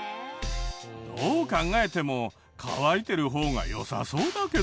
どう考えても乾いてる方が良さそうだけど。